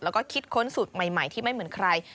แล้วก็คิดค้นสูตรใหม่ที่ไม่เหมือนใคร